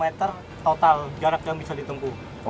enam puluh km total jarak yang bisa ditunggu